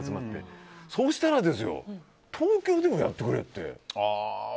そうしたら東京でもやってくれって。